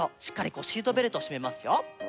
しっかりシートベルトをしめますよ。